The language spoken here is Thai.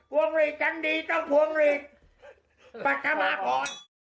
วงหลีกชั้นดีต้องพวงหลีกปัตมาพร